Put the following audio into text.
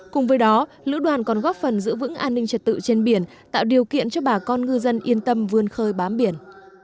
cùng với đó lữ đoàn còn góp phần giữ vững an ninh trật tự trên biển tạo điều kiện cho bà con ngư dân yên tâm vươn khơi bám biển